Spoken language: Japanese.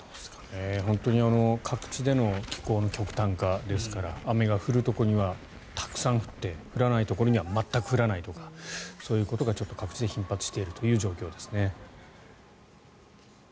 本当に各地での気候の極端化ですから雨が降るところにはたくさん降って降らないところには全く降らないとかそういうことが各地で頻発しているという状況ですね。